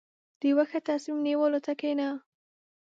• د یو ښه تصمیم نیولو ته کښېنه.